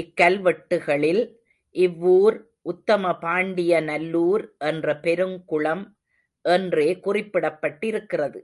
இக்கல்வெட்டுகளில், இவ்வூர், உத்தம பாண்டிய நல்லூர் என்ற பெருங்குளம் என்றே குறிப்பிடப்பட்டிருக்கிறது.